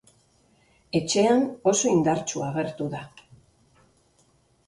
Etxean oso indartsu agertu da.